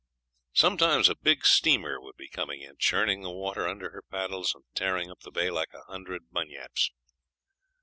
Sometimes a big steamer would be coming in, churning the water under her paddles and tearing up the bay like a hundred bunyips.